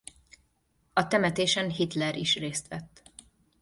A temetésen Hitler is részt vett.